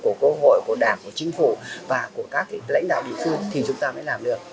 của quốc hội của đảng của chính phủ và của các lãnh đạo địa phương thì chúng ta mới làm được